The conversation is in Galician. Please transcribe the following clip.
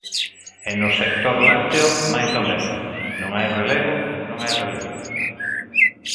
E no sector lácteo, máis do mesmo, non hai relevo, non hai relevo.